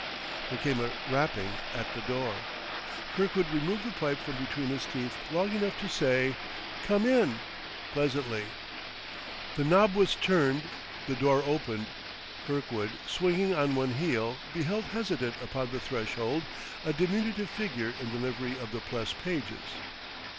There came a rapping at the door. Kirkwood removed the pipe from between his teeth long enough to say "Come in!" pleasantly. The knob was turned, the door opened. Kirkwood, swinging on one heel, beheld hesitant upon the threshold a diminutive figure in the livery of the Pless pages.